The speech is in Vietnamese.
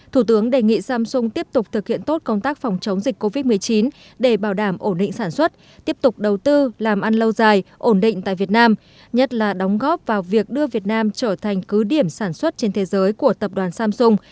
thủ tướng đề nghị samsung tiếp tục thực hiện tốt công tác phòng chống dịch covid một mươi chín để bảo đảm ổn định sản xuất tiếp tục đầu tư làm ăn lâu dài ổn định tại việt nam nhất là đóng góp vào việc đưa việt nam trở thành cứ điểm sản xuất trên thế giới của tập đoàn samsung